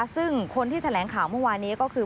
ซึ่งคนที่แถลงข่าวเมื่อวานนี้ก็คือ